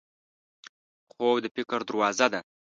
خوب د فکر دروازه ده